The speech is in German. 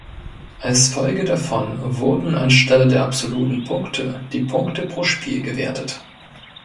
Als Folge davon wurden an Stelle der absoluten Punkte die Punkte pro Spiel gewertet.